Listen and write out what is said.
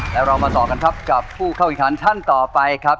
แล้วเรามาต่อกันครับกับผู้เข้าแข่งขันท่านต่อไปครับ